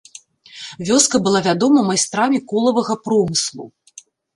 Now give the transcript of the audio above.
Вёска была вядома майстрамі колавага промыслу.